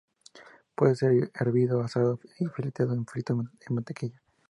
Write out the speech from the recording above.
Puede ser hervido, asado o fileteado y frito en mantequilla.